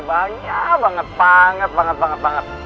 banyak banget banget banget